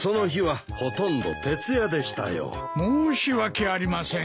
申し訳ありません。